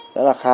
rất là khá